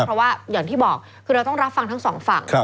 เพราะว่าอย่างที่บอกคือเราต้องรับฟังทั้งสองฝั่ง